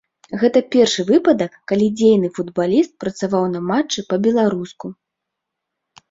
Гэта першы выпадак, калі дзейны футбаліст працаваў на матчы па-беларуску.